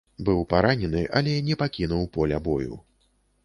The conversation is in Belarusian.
Быў паранены, але не пакінуў поля бою.